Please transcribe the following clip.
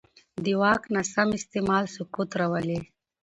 د واک ناسم استعمال سقوط راولي